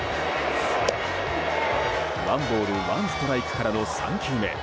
ワンボールワンストライクからの３球目。